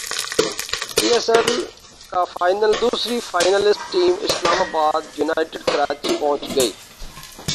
پی S L کا final دوسری finalist team اسلام باد یونائیٹڈ کراچی پہنچ گئی